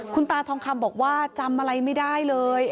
คุณตาทองคำบอกว่าจำอะไรไม่ได้เลย